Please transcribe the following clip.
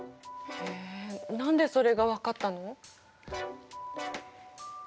へえ何でそれが分かったの？